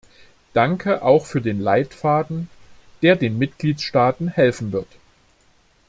Danke auch für den Leitfaden, der den Mitgliedstaaten helfen wird.